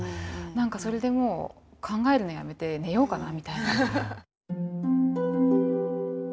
何かそれでもう考えるのやめて寝ようかなみたいな。